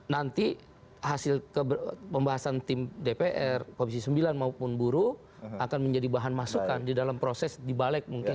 nanti hasil pembahasan tim dpr komisi sembilan maupun buruh akan menjadi bahan masukan di dalam proses dibalik mungkin